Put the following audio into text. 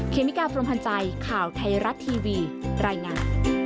เมกาพรมพันธ์ใจข่าวไทยรัฐทีวีรายงาน